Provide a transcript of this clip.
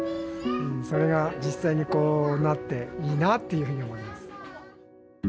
それが実際にこうなっていいなあっていうふうに思います。